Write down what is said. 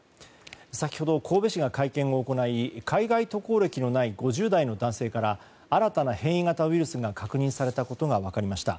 先ほど、神戸市が会見を行い海外渡航歴のない５０代の男性から新たな変異型ウイルスが確認されたことが分かりました。